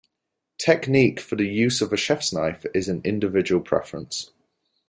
Technique for the use of a chef's knife is an individual preference.